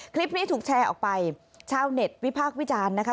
คลิปนี้ถูกแชร์ออกไปชาวเน็ตวิพากษ์วิจารณ์นะคะ